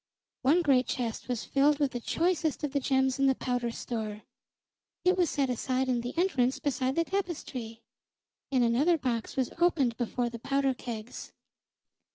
One great chest was filled with the choicest of the gems in the powder store; it was set aside in the entrance beside the tapestry, and another box was opened before the powder kegs.